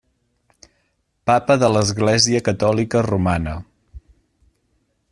Papa de l'Església Catòlica Romana.